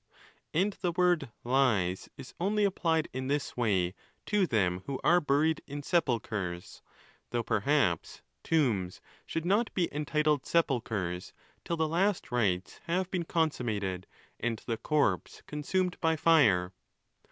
And the word Jes is only applied in this way to them who are buried in sepulchres; though perhaps tombs should not be entitled sepulchres. till the last rites have been consum mated, and the corpse consumed by fire.